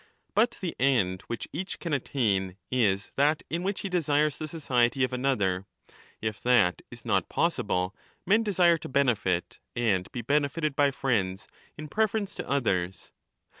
But the end which each can attain is that in which he desires the society of another ; if that is not possible, men desire to benefit and be benefited by friends in preference to others.